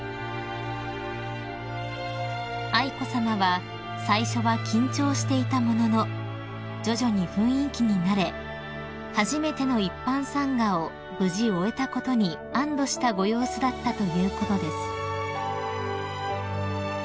［愛子さまは最初は緊張していたものの徐々に雰囲気に慣れ初めての一般参賀を無事終えたことに安堵したご様子だったということです］